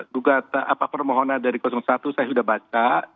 duga apa permohonan dari satu saya sudah baca